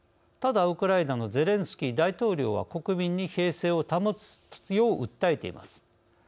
ただウクライナのゼレンスキー大統領は国民に平静を保つよう訴えています。